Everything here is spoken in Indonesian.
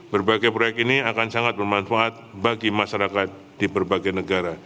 berbagai proyek ini akan sangat bermanfaat bagi masyarakat di berbagai negara